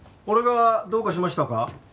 俺がどうかしましたか？